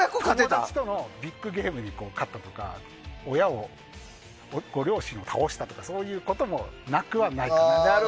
この人のビッグゲームに勝ったとか、ご両親を倒したとかそういうこともなくはないかなと。